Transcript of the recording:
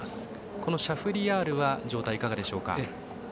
このシャフリヤールは状態、いかがでしょうか？